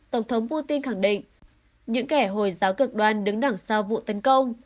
tổng thống putin khẳng định những kẻ hồi giáo cực đoan đứng đằng sau vụ tấn công